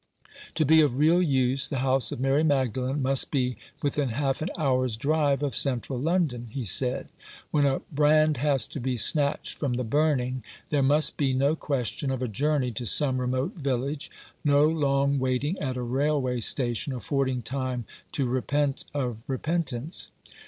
"To be of real use the House of Mary Mag dalen must be within half an hour's drive of central London," he said. "When a brand has to be snatched from the burning there must be no question of a journey to some remote village — no long waiting at a railway station, affording time to repent of repentance.